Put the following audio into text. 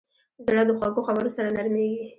زړه د خوږو خبرو سره نرمېږي.